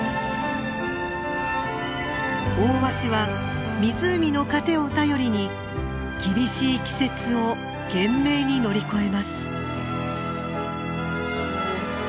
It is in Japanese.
オオワシは湖の糧を頼りに厳しい季節を懸命に乗り越えます。